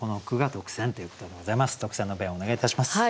特選の弁をお願いいたします。